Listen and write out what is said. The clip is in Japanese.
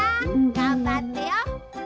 がんばってよ。